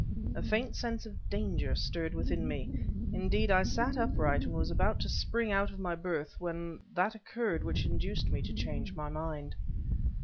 A faint sense of danger stirred within me; indeed, I sat upright and was about to spring out of my berth when that occurred which induced me to change my mind.